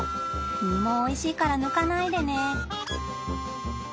実もおいしいから抜かないでね。